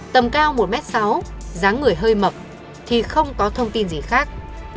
tầm cao một m sáu ráng người hơi mập thì không có thông tin gì khác